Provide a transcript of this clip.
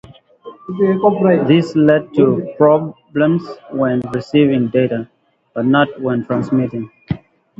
This led to problems when receiving data, but not when transmitting.